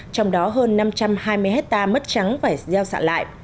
trong đó hơn năm trăm hai mươi hectare mất trắng phải gieo xạ lại